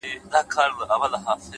• د یووالي د نارو پهلوانان یو ,